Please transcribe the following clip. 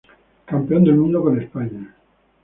Campeón del mundo con España